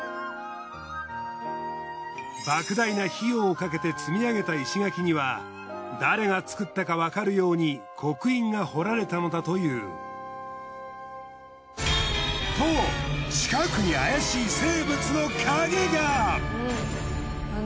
莫大な費用をかけて積み上げた石垣には誰が造ったかわかるように刻印が彫られたのだという。と近くに怪しい生物の影が！